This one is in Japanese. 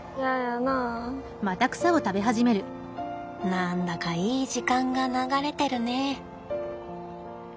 何だかいい時間が流れてるね。